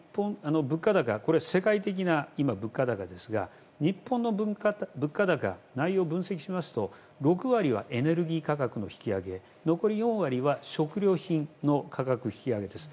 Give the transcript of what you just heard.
今、世界的な物価高ですが日本の物価高内容分析しますと６割はエネルギー価格の引き上げ残り４割は食料品の価格引き上げです。